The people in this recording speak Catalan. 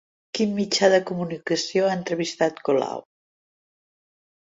Quin mitjà de comunicació ha entrevistat Colau?